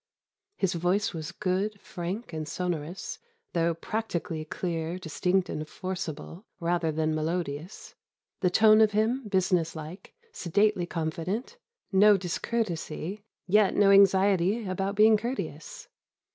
His voice was good, frank, and sonorous, though practically clear, distinct, and forcible, rather than melodious; the tone of him business like, sedately confident; no discourtesy, yet no anxiety about being courteous.